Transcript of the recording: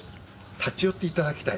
立ち寄って頂きたい。